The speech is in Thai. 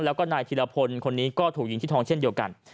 แล้วก็นายธิรพลคนนี้ก็ถูกยิงที่ท้องเช่นเดียวกัน